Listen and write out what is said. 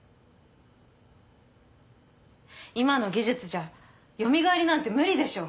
今の技術じゃよみがえりなんて無理でしょ。